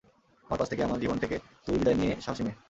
আমার পাশ থেকে, আমার জীবন থেকে তুই বিদায় নে সাহসী মেয়ে।